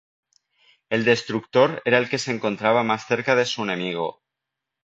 El destructor era el que se encontraba más cerca de su enemigo.